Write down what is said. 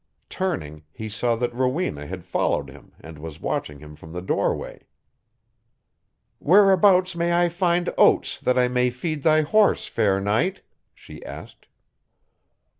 Turning, he saw that Rowena had followed him and was watching him from the doorway. "Whereabouts may I find oats that I may feed thy horse, fair knight?" she asked.